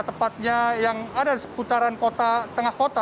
tepatnya yang ada di seputaran tengah kota